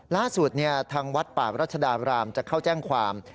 ล่าสุดทางวัดป่ารัชดาบรามจะเข้าแจ้งความ